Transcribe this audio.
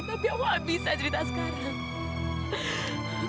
tapi aku nggak bisa cerita sekarang